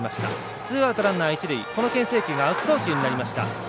ツーアウト、ランナー、一塁でけん制球が悪送球になりました。